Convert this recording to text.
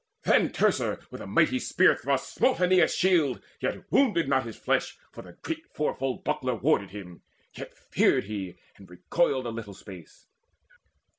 Then Teucer with a mighty spear thrust smote Aeneas' shield, yet wounded not his flesh, For the great fourfold buckler warded him; Yet feared he, and recoiled a little space.